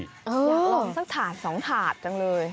อยากลองสักถาด๒ถาดจังเลย